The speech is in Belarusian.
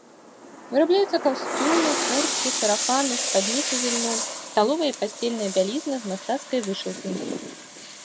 Вырабляюцца касцюмы, курткі, сарафаны, спадніцы з ільну, сталовая і пасцельная бялізна з мастацкай вышыўкай.